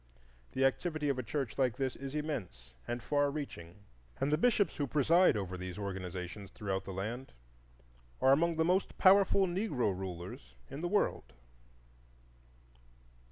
The activity of a church like this is immense and far reaching, and the bishops who preside over these organizations throughout the land are among the most powerful Negro rulers in the world.